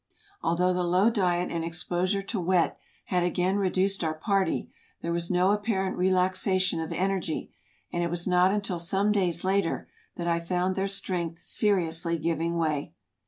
Although the low diet and exposure to wet had again reduced our party, there was no apparent relaxation of en ergy, and it was not until some days later that I found their strength seriously giving way.